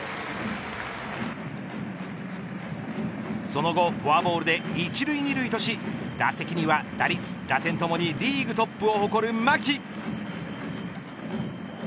その後フォアボールで１塁２塁とし打席には打率打点ともにリーグトップを誇る牧。